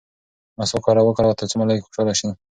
مسواک وکاروه ترڅو ملایکې خوشحاله شي.